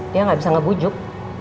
dia nggak bisa ngebujuk